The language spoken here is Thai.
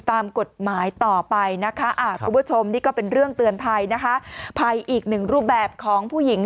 ตามกฎหมายต่อไปนะคะคุณผู้ชมนี่ก็เป็นเรื่องเตือนภัยนะคะภัยอีกหนึ่งรูปแบบของผู้หญิง